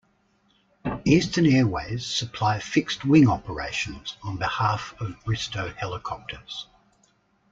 Eastern Airways supply fixed wing operations on behalf of Bristow Helicopters.